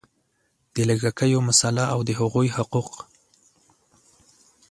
د لږکیو مسله او د هغوی حقوق